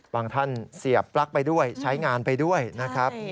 ท่านเสียบปลั๊กไปด้วยใช้งานไปด้วยนะครับ